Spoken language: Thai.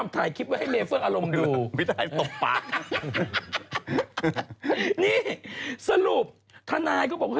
เตรียมว่าเรื่องนี้หนุ่มจะไม่ยุฤ